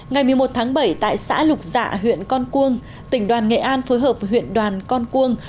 ngày một mươi một tháng bảy tại xã lục dạ huyện con cuông tỉnh đoàn nghệ an phối hợp với huyện đoàn con cuông